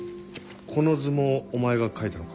この図もお前が描いたのか？